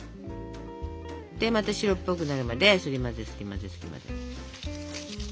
でまた白っぽくなるまですり混ぜすり混ぜすり混ぜ。